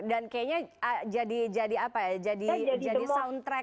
dan kayaknya jadi jadi apa ya jadi soundtrack